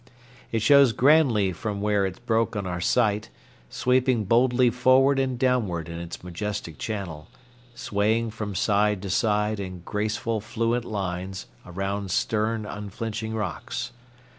It shows grandly from where it broke on our sight, sweeping boldly forward and downward in its majestic channel, swaying from side to side in graceful fluent lines around stern unflinching rocks.